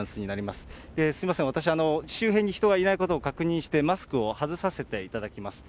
すみません、私、周辺に人がいないことを確認して、マスクを外させていただきます。